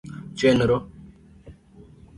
Chenro: